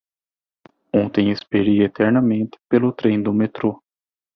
Ontem esperei eternamente pelo trem do metrô.